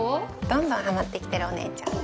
どんどんはまってきてるお姉ちゃん。